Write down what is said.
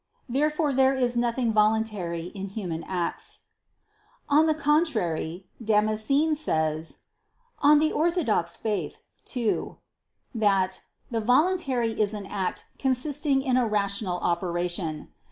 Therefore there is nothing voluntary in human acts. On the contrary, Damascene says (De Fide Orth. ii) that "the voluntary is an act consisting in a rational operation."